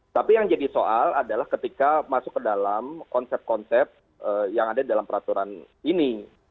tapi yang jadi soal adalah ketika masuk ke dalam konsep konsep yang ada dalam peraturan ini